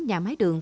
nhà máy đường